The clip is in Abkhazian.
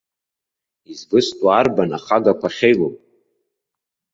Извыстәу арбан ахагақәа ахьеилоу?